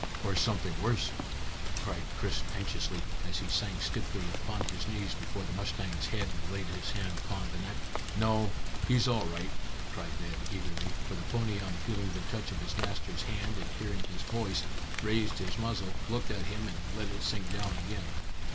"Or something worse," cried Chris anxiously, as he sank stiffly upon his knees behind the mustang's head and laid his hand upon the neck. "No, he's all right," cried Ned eagerly, for the pony on feeling the touch of his master's hand and hearing his voice, raised his muzzle, looked at him, and let it sink down again.